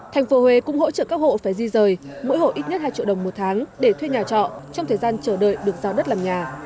thành phố huế cũng hỗ trợ các hộ phải di rời mỗi hộ ít nhất hai triệu đồng một tháng để thuê nhà trọ trong thời gian chờ đợi được giao đất làm nhà